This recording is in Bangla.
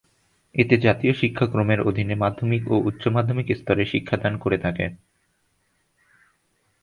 এতে জাতীয় শিক্ষাক্রমের অধীনে মাধ্যমিক ও উচ্চ মাধ্যমিক স্তরে শিক্ষাদান করে থাকে।